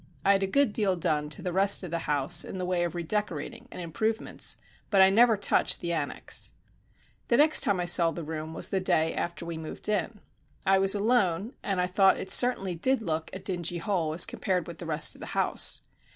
I had a good deal done to the rest of the house in the way of redecorating and improvements, but I never touched the annexe. The next time I saw the room was the day after we moved in. I was alone, and I thought it certainly did look a dingy hole as compared with the rest of the house.